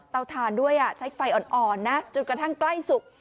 ทานด้วยใช้ไฟอ่อนนะจนกระทั่งใกล้สุก